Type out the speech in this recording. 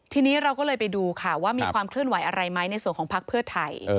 ทีนี้เราก็เลยไปดูค่ะว่ามีความเคลื่อนไหวอะไรไหมในส่วนของพักเพื่อไทย